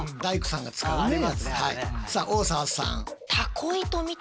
さあ大沢さん。